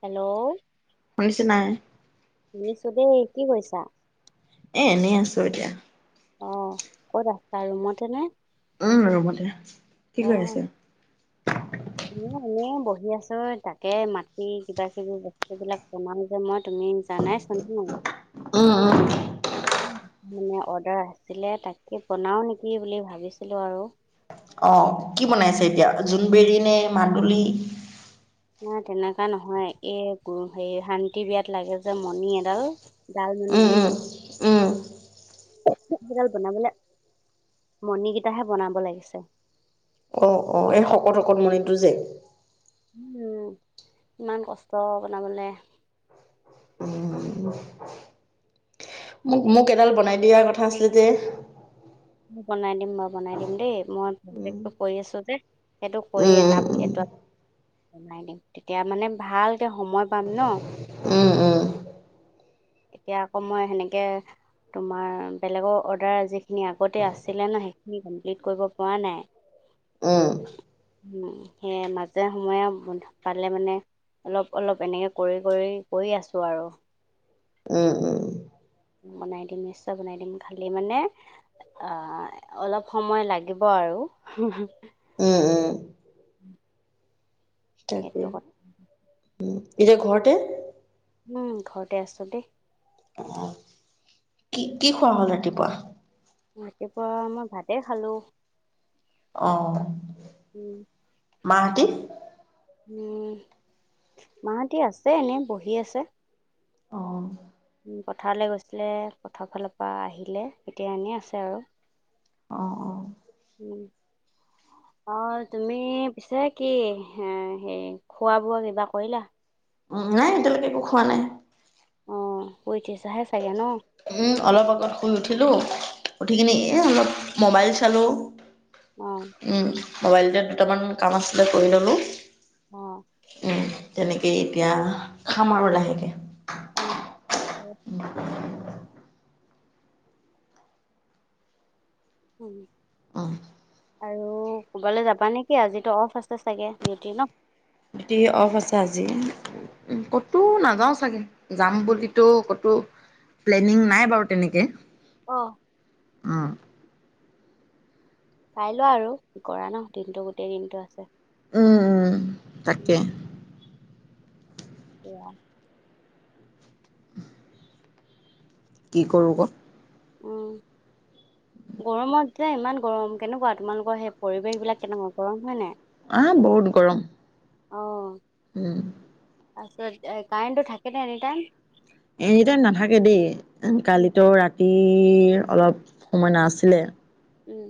Hello শুনিছে নাই? শুনিছো দেই কি কৈছা? এ এনেই আছো এতিয়া। অ ক'ত আছা ৰুমতেনে? উম ৰুমতে। কি কৰি আছে? মই এনে বহি আছো তাকে মাটি কিবা কিবি বস্তু বিলাক বনাও যে মই। উম জানাইছ ন। উম উম। ম অৰ্ডাৰ আছিলে তাকে বনাও নেকি বুলি ভাবিছিলো আৰু। অ কি বনাইছে এতিয়া জোনবেৰি নে মাদুলি? নাই তেনেকুৱা নহয় এই হে শান্তি বিয়াত লাগে যে মণি এডাল জাল মনি উম বুলি উম কয়। উম আজিকাল বনাবলৈ মণিকেইটাহে বনাব লাগিছে। অ অ এই শকত শকত মণটো যে। উম ইমান কষ্ট বনাবলে। উম মোক মোক এডাল বনাই দিয়া কথা আছিলে যে। বনাই দিম মই বনাই দিম দেই মই উম প্ৰতেকটো কৰি আছো যে সেইটো কৰি উম এটা এইটো [inaudible] বাই দিম তেতিয়া মানে ভালক সময় পাম ন। উম উম এতিয়া আকৌ মই সেনেকে তোমাৰ বেলেগৰ অৰ্ডাৰ যিখিনি আগতে আছিলে ন সেইখিনি কমপ্লিট কৰিব পৰা নাই। উম। উম সেয়ে মাজে সময়েন্ পালে মানে। অলপ অলপ এনেকে কৰি কৰি কৰি আছো আৰু। উম বনাই দিম নিশ্চয় বনাই দিম খালি মানে আহ অলপ সময় লাগিব। বাৰু। উম উম। উম। তাকে সেইটো কথা। এতিয়া ঘৰতে। উম ঘৰতে আছো দেই। অ কি কি খোৱা হল ৰাতিপুৱা। ৰাতিপুৱা মই ভাতে খালো। অহ উম, মাহতি। উম মাহতি আছে এনেই বহি আছে। অ। উম, পথাৰলৈ গৈছিলে পথাৰ ফালৰ পৰা আহিলে এতিয়া এনেই আছে আৰু। অ অ। উম। অ তুমি পিছে কি এ হে খোৱা বোৱা কিবা কৰিলা? উম নাই এতিয়ালৈকে একো খোৱা নাই। অ হুই থিছাহে চাগে ন। উম অলপ আগত শুই উঠিলো উঠি কিনে এ অলপ মোবাইল চালো। অ', উম মোবাইলতে দুটামান কাম আছিলে কৰি ললো। অহ তেনেকে এতিয়া খাম আৰু লাহেকে। অ'। উম। উম। উম, আৰু ক'বালৈ যাবা নেকি আজিতো অফ আছে চাগে ডিউটি ন। টিভি অফ আছে আজি। উ ক'তো নাযাও চাগে যাম বুলিতো কতো। প্লেনিং নাই বাৰু তেনেকে অ'। অ। চাই লোৱা আৰু কি কৰা ন দিনটো গোটেই দিনটো আছে। উম উম তাকে-। এয়া কি কৰোঁ ক'-! উম। গৰমত যেতিয়া ইমান গৰম কেনেকুৱা তোমালোকৰ সেই পৰিৱেশ বিলাক কেনেকুৱা গৰম হয় নাই। অহ বহত গৰম। অহ। উম। তাৰপিছত কাৰেণ্টটো থাকে ন এনি টাইম। এনি টাইম নাথাকে দেই উম, কালিতো ৰাতি,। অলপ সময় নাছিলে। উম।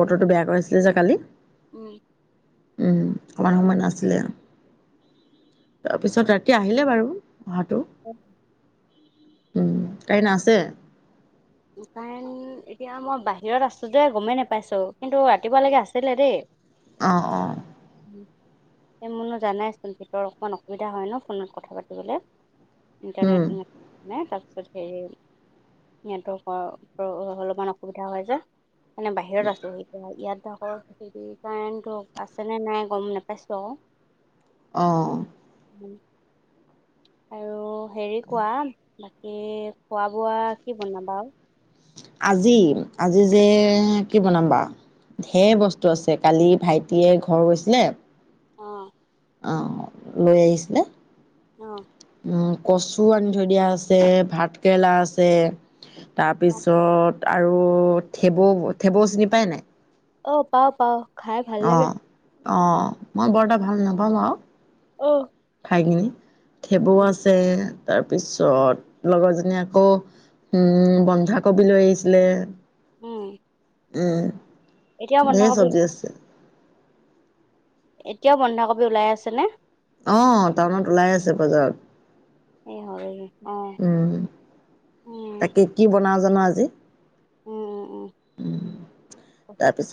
বতৰটো বেয়া কৰিছিলে যে কালি। উম। উম অকমাৰ সময় নাছিলে। তাৰপিছত ৰাতি আহিলে বাৰু অহাটো-। উ। উম কাৰেণ আছে। কাৰেণ এতিয়া মই বাহিৰত আছো যে গমেই নোপাইছো কিন্তু ৰাতিপুৱাৈকে আছিলে দেই। আহ অ। এই মোৰনো জানাইচোন ভিতৰত অকমান অসুবিধা হয় ন ফোনত কথা পাতিবলে। উম ইণ্টাৰনেট মানে তাৰপিছত সেই- নেটৱৰ্কৰ অলপমান অসুবিধা হয় যে মনেে বাহিৰত আছো এতিয়া ইয়াত কাৰেণ হে কাৰেণ্টো আছে নে নাই গম নোপাইছো আৰু অঁ। আৰু হেৰি কোৱা বাকী খোৱা বোৱা। কি বনাবা আৰু আজি আজি যে কি বনাম বা- - ঢেৰ বস্তু আছে কালি ভাইটিয়ে ঘৰ গৈছিলে। অ অ লৈ আহিছিলে। আহ। কচু আনি থৈ দিয়া আছে ভাতকেৰেলা আছে অ'। তাৰপিছত। আৰু থেবৌ থেবৌ চিনি পায় নাই। অ পাও পাও খাই ভাল লাগে। অ', অ মই বৰ এটা ভাল নাপাওঁ আৰু আহ খাই কিনি থেবৌ আছে। তাৰপিছত লগৰজনী আকৌ উম বন্ধাকবি লৈ আহিছিলে। উম। এতিয়াও উম ধেৰ বন্ধাকবি চব্জি আছে। এতিয়াও বন্ধাকবি ওলাই আছে নে? অ টাউনত ওলাই আছে বজাৰত। হে হৰি অ। উম, জনা আজি। উ অ। উ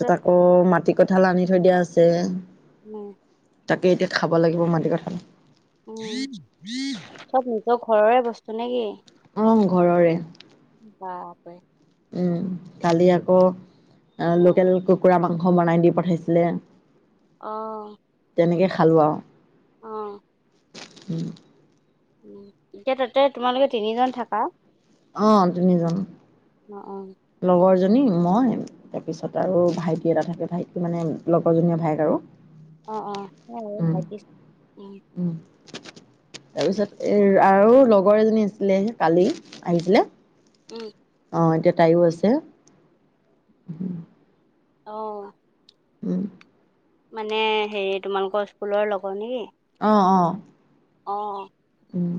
পঁচিছ আকৌ মাটি কঁঠাল আনি থৈ দিয়া আছে। ন। তাকে এতিয়া খাব লাগিব মাটিকঁঠাল। উ চব নিজৰ ঘৰৰে বস্তু নে কি? আহ ঘৰৰে। বাপৰে উম কালি আকৌ অ লোকেল কুকুৰা মাংস বনাই দি পঠাইছিলে। অহ তেনেকৈ খালোঁ আৰু অ উম উ এতিয়া তাতে তোমালোকে তিনিজন থাকা আহ তিনিজন অ অ লগৰজনী মই তাৰপিছত আৰু ভাইটি এটা থাকে ভাইটি মানে লগৰজনীয়ে ভাইক আৰু অ অ হয় উম, ভাবিছো উ উম। তাৰপিছত এৰ আৰু লগৰ এজনী আছিলে কালি আহিছিলে। উম অঁ এতিয়া তাইয়ো আছে। আহ। উম। মানে হেৰি তোমালোকৰ স্কুলৰ লগৰ নেকি। আহ আহ। আহ। উম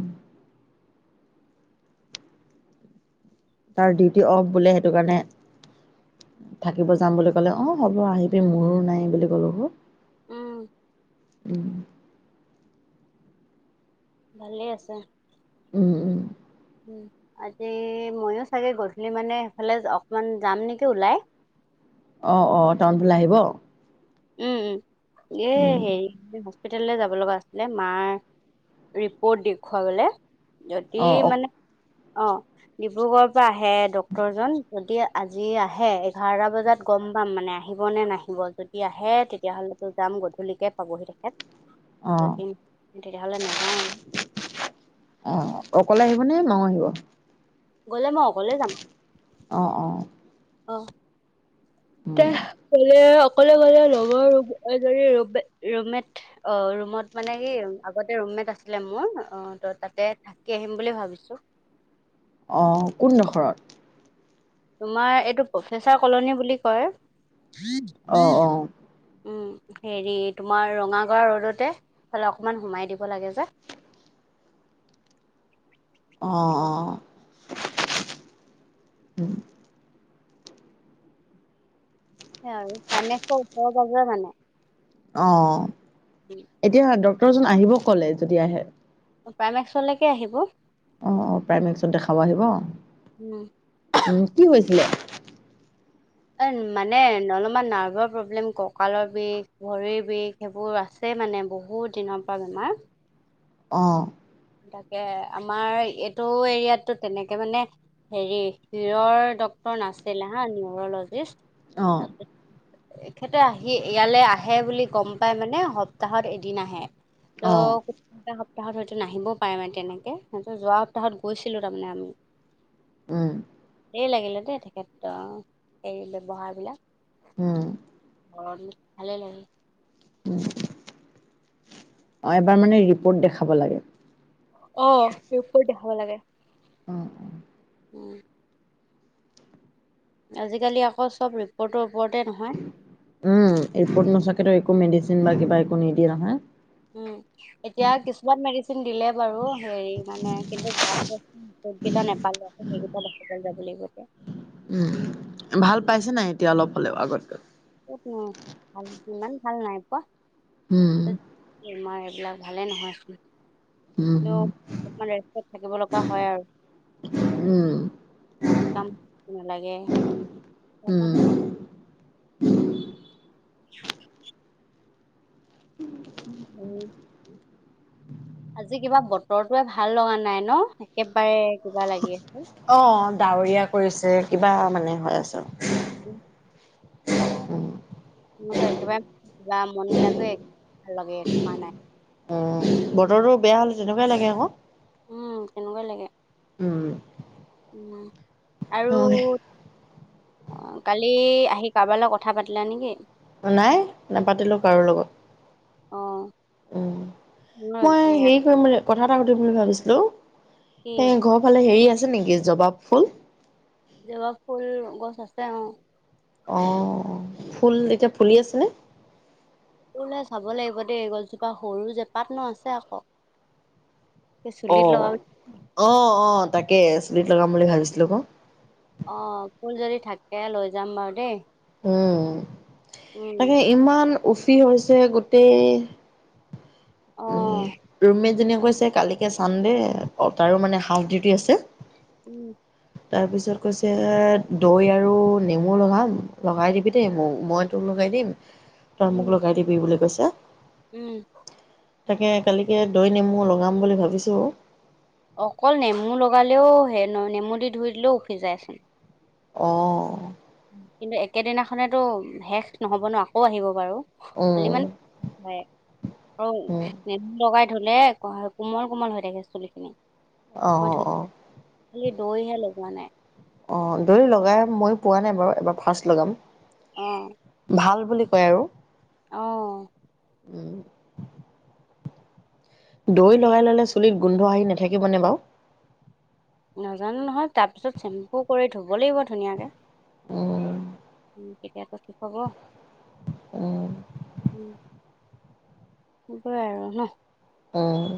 তাৰ ডিউটি অফ বোলে, সেইটো কাৰণে থাকিব যাম বুলি ক'লে, অ, হ'ব আহিবি মোৰো নাই বুলি ক'লো ক উম উম ভালে আছে উম-উম আজি মইয়ো চাগে গধূলি মানে সেইফালে অকমান যাম নেকি ওলাই অ-অ, টাউন ফালে আহিব। উম-উম, এ উম, হেৰি তেতিয়া হ'লে যাব লগা আছিলে, মাৰ ৰিপৰ্ট দেখুৱালে। যদি অ', অ', মানে, অ ডিব্ৰুগড়ৰ পৰা আহে ডক্টৰ জন, যদি আজি আহে এঘাৰটা বজাত গম পাম মানে আহি। আহিব নে নাহিব, যদি আহে তেতিয়া হ'লেতো যাম গধূলিকে পাবহি তেখেত। এ অ', তিনি তেতিয়া হ'লে নাযাওঁ আৰু মানে মঙ আহিব [unintelligible] গলে মই অকলে যাম। অ-অ অ' তেহে ক'লে অকলে গ'লে ৰুমে-ৰুমেট অ, ৰুমত মানে কি আগতে ৰুমমেট আছিলে মোৰ। মই অ, ত তাতে থাকি আহিম বুলি ভাবিছো। অ কোনদখৰত? তোমাৰ এইটো প্ৰফেচাৰ কলনী বুলি কয়। অ', অ', উম হেৰি তোমাৰ ৰঙাগড়া ৰ'ডতে, ফালে অকমান সোমাই দিব লাগে যে। [unintelligible] আহ-আহ হয়, পাইমেকচ্ ওচৰ-পাজৰে মানুহ। অ, এতিয়া ডক্তৰজন আহিব ক'লে? যদি আহে উপায়নেচলকৈ আহিব। অঁ অঁ প্ৰাইমেকচত দেখাব আহিব, উম উম কি হৈছিলে? অ, মানে অলপমান নাৰ্ভৰ প্ৰব্লেম, ককালৰ বিষ, ভৰিৰ বিষ সেইবোৰ আছে। এ মানে, বহুত দিনৰ পৰা বেমাৰ। অ তাকে, আমাৰ এইটো এৰিয়াতোত তেনেকে মানে হেৰি, শিৰৰ ডক্তৰ নাছিলে হা, নিউৰলজিষ্ট অ তাৰপিছত এখেতে আহি, ইয়ালে আহে বুলি গম পাই মানে সপ্তাহত এদিন আহে। ত' অ', ক এটা সপ্তাহত হয়তো নাহিব। পাই মানে তেনেকে, মইটো যোৱা সপ্তাহত গৈছিলো তাৰমানে আমি। উম দেৰি লাগিলে দেই তেখেতৰ, হেৰি ব্যৱহাৰ বিলাক। উম ঘৰত মোক ভালে লাগে। অ, এবাৰ মানে ৰিপৰ্ট দেখাব লাগে। অ, ৰিপৰ্ট দেখাব লাগে। অ, উম উম আজিকালি আকৌ চব ৰিপৰ্টৰ ওপৰতে নহয় উম, ৰিপৰ্ট নোচোৱাকেতো একো মেডিচিন বা কিবা একো নিদিয়ে নহয়। উম, এতিয়া কিছুমান মেডিচিন দিলে বাৰু। হেৰি মানে কিন্তু ব্লাড টেষ্ট [unintelligible] নাপালো আকৌ সেইকেইটা দেখাব যাব লাগিব। এতিয়া। উম ভাল পাইছে নাই এতিয়া অলপ হ'লেও আগতকৈ? উম ভাল ইমান ভাল নাই পোৱা উম, এইবিলাক ভালে নহয়। উম, কিন্তু অকনমান ৰেষ্টত থাকিব লগা হয় আৰু। উম, কাম নালাগে উম। [unintelligible] [unintelligible] [unintelligible] উম আজি কিবা বতৰটোৱে ভাল লগা নাই ন একেবাৰে কিবা লাগি অঁ ডাৱৰীয়া কৰিছে কিবা মানে হৈ আছে। উ উম, মোৰতো একেবাৰে কিবা মন বিলাকে ভাল লাগে থকা নাই। উম। বতৰটো বেয়া হলে তেনেকুৱাই লাগে আকৌ। উম তেনেকুৱা লাগে। উম উম আৰু অঁ কালি আহি কাৰবাৰ লগত কথা পাতিলা নেকি? নাই নাপাতিলো কাৰো লগত। অ', উ মই হেৰি ৰাতি কৰিম বুলি কথা এটা সুধিম বুলি ভাবিছিলো। এ ঘৰ ফালে হেৰি আছে নেকি জবা ফুল? জবা ফুল গছ আছে অঁ। অ ফুল এতিয়া ফুলি আছেনে? এ মই চাব লাগিব দেই এই গছজোপা সৰু যে পাত নো আছে আকৌ। এই অ চুলিত লগাব অ অ তাকে চুলিত লগাম বুলি ভাবিছিলো আক। অ ফুল যদি থাকে লৈ যাম বাৰু দেই। উম উম। তাকে ইমান উফি হৈছে গোটেই। উম অ', ৰুমমেট জনিয়ে কৈছে কালিকে চানডে অ তাৰো মানে হাফ ডিউটি আছে উম তাৰপিছত কৈছে দৈ আৰু নেমু লগাম লগাই দিবি দেই মোক মই তোকলগত দিম তই উম, মোক লগাই দিবি বুলি কৈছে। উম তাকে কালিকে দৈ নেমু লগাম বুলি ভাবিছো। অকল নেমু লগালেও হেনো নেমু দি ধুই দিলেও উফি যায়চোন। অ কিন্তু একেদিনাখনেতো শেষ নহব ন আকৌ আহিব বাৰু। খালি উম মানে [unintelligible] আৰু উম নেমু লগাই ধুলে কো-কোমল কোমল হৈ থাকে চুলিখিনি। অহ মই অহ ধুই অহ। খালি দৈহে লগোৱা নাই। অ দৈ লগাই মই পোৱা নাই বাৰু এবাৰ ফাৰ্ষ্ট লগাম। অহ ভাল বুলি কয় আৰু। অহ উম দৈ এই লগাই ল'লে চুলিত গোন্ধ আহি নাথাকিবনে বাৰু? নাজানো নহয় তাৰপিছত চেম্পু কৰি ধুব লাগিব ধুনীয়াকে। উম উম তেতিয়াতো ঠিক হ'ব। উম হব আৰু ন আহ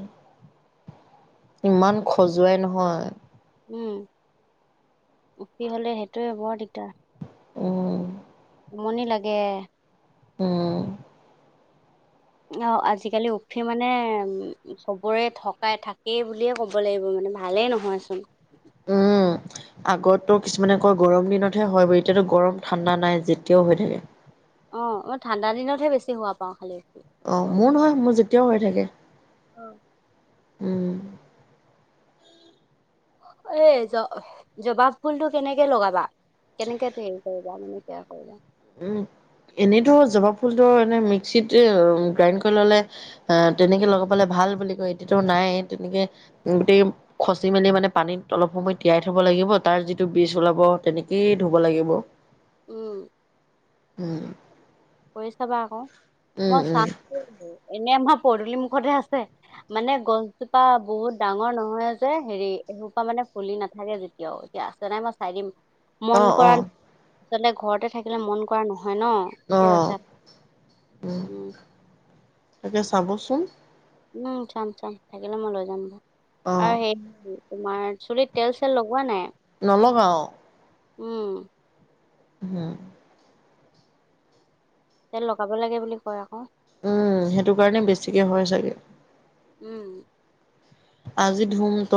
ইমান খজুৱাই নহয় উম উফি হলে সেইটোয়ে বৰ দিগদাৰ উম আমনি লাগে উম অ আজিকালি উফি মানে উম চবৰে থকাই থাকেই বুলিয়ে ক'ব লাগিব মানে ভালেই নহয়চোন উ আগতো কিছুমানে কয় গৰম দিনতহে হয় ব এতিয়াতো গৰম ঠাণ্ডা নাই যেতিয়াও হৈ থাকে অ মই ঠাণ্ডা দিনতহে বেছি হোৱা পাও খালি অ মোৰ নহয় মোৰ যেতিয়াও হৈ থাকে অ উম ঐ জবাব ফুল টো কেনেকে লগাবা কেনেকে কৰিবা মানে কেয়াৰ কৰিবা উম এনেইতো জবা ফুলটো এনে মিক্সিত গ্ৰাইণ্ড কৰি ল'লে তেনেকে লগাবলে ভাল ভাল বুলি কয় এতিয়াটো নাই তেনেকে গোটেই খচি মেলি মানে পানীত অলপ সময় তিয়াই থ'ব লাগিব তাৰ যিটো বীজ ওলাব তেনেকেই ধুব লাগিব উম উম কৰি চাবা আকৌ উম মই উম চামগে এনেই এনে আমাৰ পদূলি মুখতে আছে মানে গছজোপা বহুত ডাঙৰ নহয় যে হেৰি এহুপা মানে ফুলি নাথাকে যেতিয়াও এতিয়া আছে নাই মই চাই দিম অ মন অ কৰা আচলতে ঘৰতে থাকিলে মন কৰা নহয় ন অ সেইটো হৈছে উম তাকে চাবচোন উম চাম চাম থাকিলে মই লৈ যাম বাওঁ অ' আৰু সেই তোমাৰ চুলিত তেল চেল লগোৱা নাই। নলগাঁও উম হম তেল লগাব লাগে বুলি কয় আকৌ উম সেইটো কাৰণে বেছিকে হয় চাগে উম আজি ধুম ত